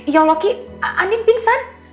ya allah ki anden pingsan